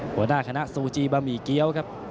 หัวหน้าคณะซูจีบะหมี่เกี้ยวครับ